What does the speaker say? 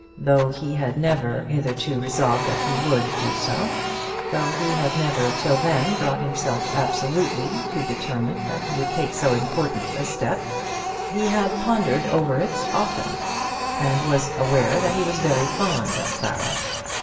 Though he had never hitherto resolved that he would do so though he had never till then brought himself absolutely to determine that he would take so important a step he had pondered over it often, and was aware that he was very fond of Clara.